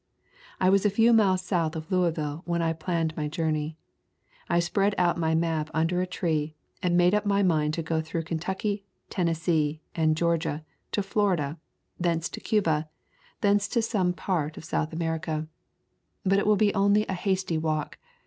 "T was a few miles south of Louisville when I planned my journey. I spread out my map under a tree and made up my mind to go through Kentucky, Tennessee, and Georgia to Florida, thence to Cuba, thence to some part [ xix ] Introduction of South America; but it will be only a hasty walk.